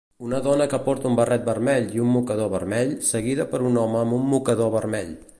Una dona que porta un barret vermell i un mocador vermell seguida per un home amb un mocador vermell.